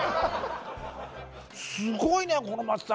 「すごいねこの松茸」